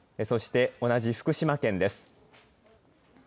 そして同じ福島県です。